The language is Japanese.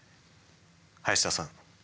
林田さん